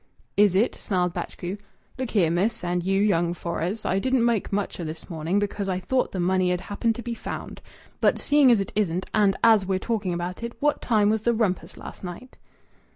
"Is it?" snarled Batchgrew. "Look here, miss, and you, young Fores, I didn't make much o' this this morning, because I thought th' money 'ud happen be found. But seeing as it isn't, and as we're talking about it, what time was the rumpus last night?"